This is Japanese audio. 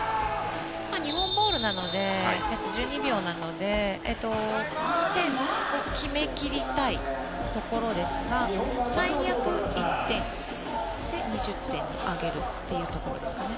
日本ボールなので１２秒なので２点を決め切りたいところですが最悪１点で２０点に上げるということですね。